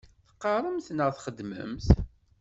Teqqaṛemt neɣ txeddmemt?